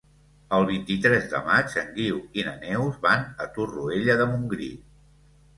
El vint-i-tres de maig en Guiu i na Neus van a Torroella de Montgrí.